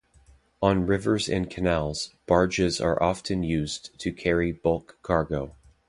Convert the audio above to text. On rivers and canals, barges are often used to carry bulk cargo.